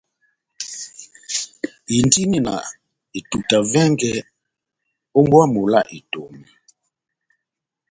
Indini na etuta vɛngɛ ó mbówa mola Etomi.